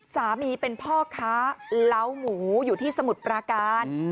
สามีเป็นพ่อค้าเล้าหมูอยู่ที่สมุทรปราการ